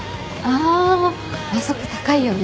ああそこ高いよね。